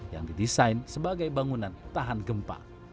yang didesain sebagai bangunan tahan gempa